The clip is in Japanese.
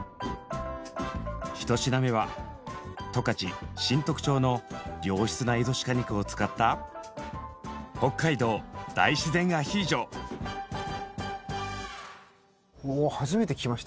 １品目は十勝新得町の良質なエゾシカ肉を使った初めて聞きました。